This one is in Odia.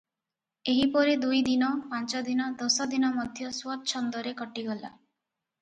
ଏହିପରି ଦୁଇଦିନ, ପାଞ୍ଚଦିନ ଦଶ ଦିନ ମଧ୍ୟ ସ୍ୱଚ୍ଛନ୍ଦରେ କଟି ଗଲା ।